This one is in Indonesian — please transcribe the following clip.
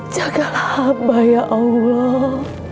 jagalah hamba ya allah